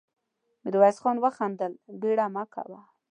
ميرويس خان وخندل: بېړه مه کوه.